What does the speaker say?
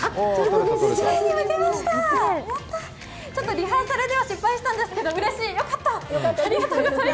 リハーサルでは失敗したんですが、うれしい、よかった。